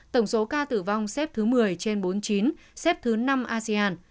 tổng số ca tử vong xếp thứ một mươi trên bốn mươi chín xếp thứ năm asean